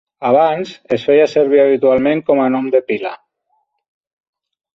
Abans, es feia servir habitualment com a nom de pila.